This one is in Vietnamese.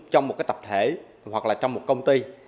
trong một cái tập thể hoặc là trong một công ty